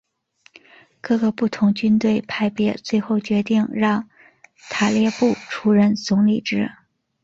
各个不同军队派别最后决定让塔列布出任总理职。